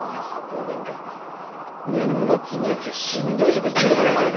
もうなんか年末までしんどいですねこれ。